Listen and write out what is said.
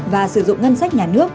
và sử dụng ngân sách nhà nước